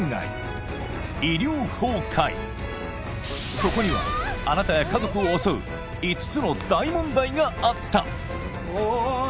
そこにはあなたや家族を襲う５つの大問題があった・おい